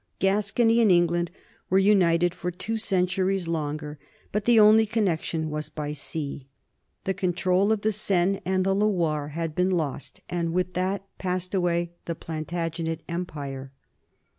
Gascony and England were united for two centuries longer, but the only connection was by sea. The control of the Seine and the Loire had been lost, and with that passed away the Plantagenet empire.